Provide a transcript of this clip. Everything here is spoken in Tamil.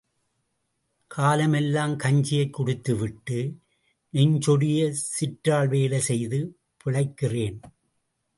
காலமெல்லாம் கஞ்சியைக் குடித்து விட்டு, நெஞ்சொடிய சிற்றாள் வேலை செய்து பிழைக்கிறேன்.